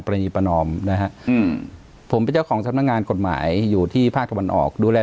ประนีปนอมนะครับผมเป็นเจ้าของทางงานกฎหมายอยู่ที่ภาคธรรมนออกดูแล